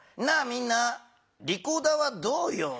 みんなリコーダーはどうよ？